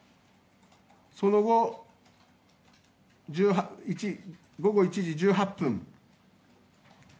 その後、午後１時１８分。